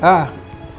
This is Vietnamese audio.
đây một chút